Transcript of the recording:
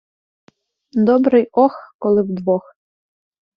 Добре й «ох», коли вдвох.